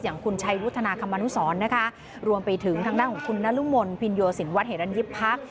อย่างคุณชัยวุฒนาคมนุสรนะคะรวมไปถึงทางด้านของคุณนรุมลพินโยสินวัดเหรันยิบพักษ